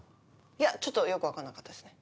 いやちょっとよく分かんなかったですね。